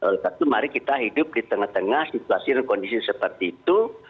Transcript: oleh karena itu mari kita hidup di tengah tengah situasi dan kondisi seperti itu